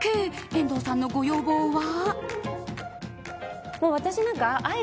遠藤さんのご要望は？